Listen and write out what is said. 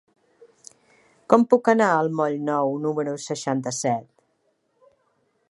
Com puc anar al moll Nou número seixanta-set?